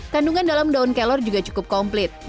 kandungan dalam daun kelor juga cukup komplit